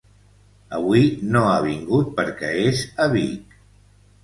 Avui no ha vingut perquè és a Vic.